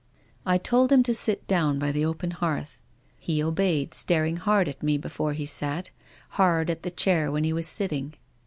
I told him to sit down by the open hearth. He obeyed, staring hard at me before he sat, hard at the chair when he was sitting.